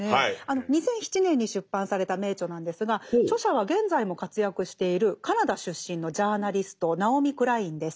２００７年に出版された名著なんですが著者は現在も活躍しているカナダ出身のジャーナリストナオミ・クラインです。